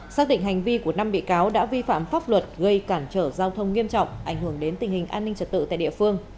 xác định hành vi của năm bị cáo đã vi phạm pháp luật gây cản trở giao thông nghiêm trọng ảnh hưởng đến tình hình an ninh trật tự tại địa phương